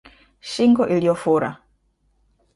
Shingo iliyofura